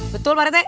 betul pak rt